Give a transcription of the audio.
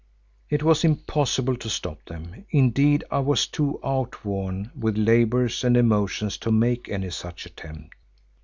It was impossible to stop them; indeed I was too outworn with labours and emotions to make any such attempt.